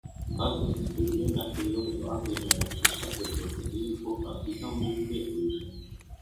Baznīca bija vienmēr pilna, jo atzīmējām šo satriecošo dienu kopā ar igauņiem un lietuviešiem.